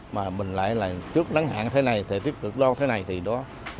mà mình lại là trước nắng hạn thế này thời tiết cực đo thế này thì đó